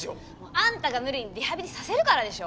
あんたが無理にリハビリさせるからでしょ！？